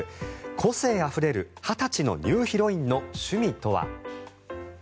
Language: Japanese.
個性あふれる、２０歳のニューヒロインの趣味とは。